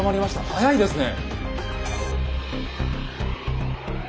早いですね。